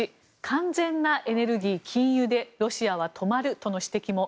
１完全なエネルギー禁輸でロシアは止まるとの指摘も。